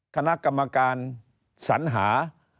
คณะกรรมการสัญหา